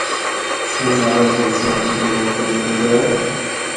اے نالہ جھیل سیف الملوک تو نکلدا اے۔